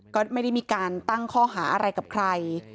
ก็ไม่ได้มีการตั้งข้อหาอะไรกับใคร